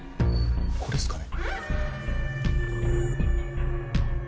これっすかね？